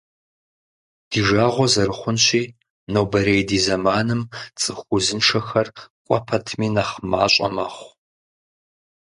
Ди жагъуэ зэрыхъунщи, нобэрей ди зэманым цӀыху узыншэхэр кӀуэ пэтми нэхъ мащӀэ мэхъу.